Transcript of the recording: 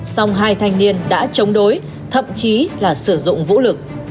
song hai thanh niên đã chống đối thậm chí là sử dụng vũ lực